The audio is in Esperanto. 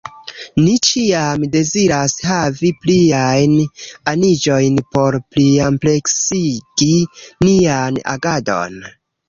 Ni ĉiam deziras havi pliajn aniĝojn por pliampleksigi nian agadon.